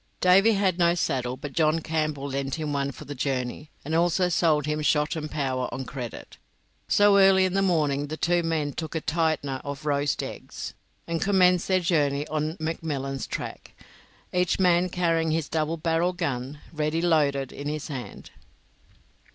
Davy had no saddle, but John Campbell lent him one for the journey, and also sold him shot and powder on credit. So early in the morning the two men took a "tightener" of roast eggs, and commenced their journey on McMillan's track, each man carrying his double barrelled gun, ready loaded, in his hand.